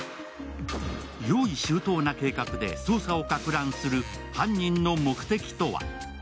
用意周到な計画で捜査をかく乱する犯人の目的とは？